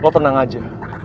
lo tenang aja